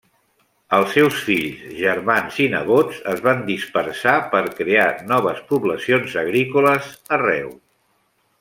Els seus fills, germans i nebots es van dispersar per crear noves poblacions agrícoles arreu.